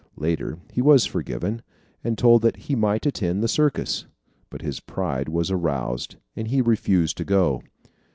Later he was forgiven, and told that he might attend the circus. But his pride was aroused, and he refused to go.